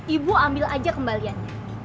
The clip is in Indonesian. ibu ambil aja kembaliannya